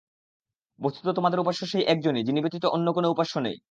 বস্তুত তোমাদের উপাস্য সেই একজনই, যিনি ব্যতীত অন্য কোন উপাস্য নেই।